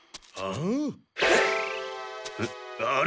あれ？